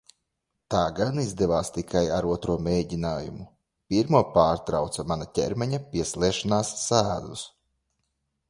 Tā gan izdevās tikai ar otro mēģinājumu, pirmo pārtrauca mana ķermeņa piesliešanās sēdus.